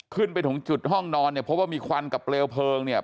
ไปถึงจุดห้องนอนเนี่ยพบว่ามีควันกับเปลวเพลิงเนี่ย